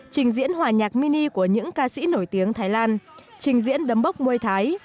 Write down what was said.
trình diễn hòa nhạc mini của những ca sĩ nổi tiếng thái lan trình diễn đấm bốc mùi thái